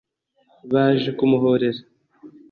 baje kumuhorera